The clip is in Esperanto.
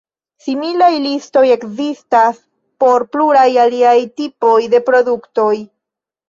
Similaj listoj ekzistas por pluraj aliaj tipoj de produktoj.